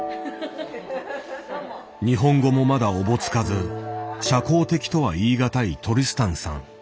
日本語もまだおぼつかず社交的とは言いがたいトリスタンさん。